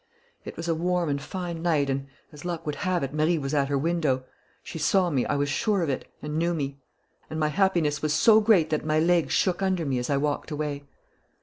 "It was a warm and fine night and, as luck would have it, Marie was at her window. She saw me, I was sure of it, and knew me; and my happiness was so great that my legs shook under me as I walked away.